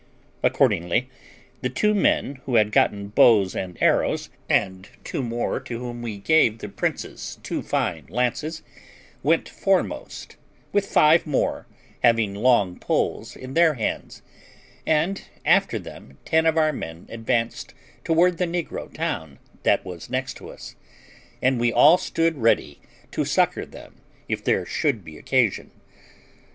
Accordingly the two men who had gotten bows and arrows, and two more to whom we gave the prince's two fine lances, went foremost, with five more, having long poles in their hands; and after them ten of our men advanced toward the negro town that was next to us, and we all stood ready to succour them if there should be occasion.